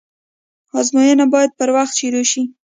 آزموينه بايد پر وخت شروع سي.